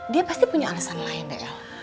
dia pasti punya alasan lain mbak el